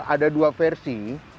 ada dua versi